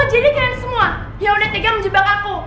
jadi kalian semua yang udah tega menjebak aku